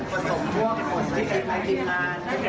ก็ต้องคุยกันแยกกันไม่ใช่เหรอ